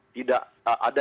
tidak ada ketelitikannya